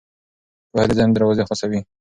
پوهه د ذهن دروازې خلاصوي.